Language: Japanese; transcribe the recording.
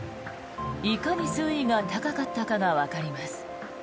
いかに水位が高かったかがわかります。